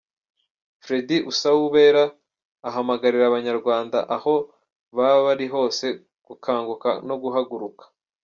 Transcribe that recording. Freddy Usabuwera ahamagarira Abanyrwanda aho baba bari hose gukanguka no guhaguruka.